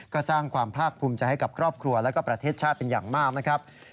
ก็สร้างความภาคภูมิใจให้กับครอบครัวและก็ประเทศชาติเป็นอย่างมากนะครับ